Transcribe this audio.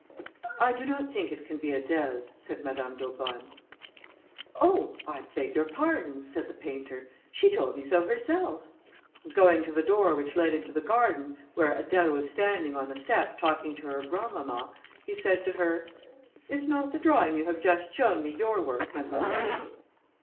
"I do not think it can be Adèle's," said Madame d'Aubonne. "Oh! I beg your pardon," said the painter, "she told me so herself;" and going to the door which led into the garden, where Adèle was standing on the step, talking to her grandmamma, he said to her, "Is not the drawing you have just shown me your work, mademoiselle?"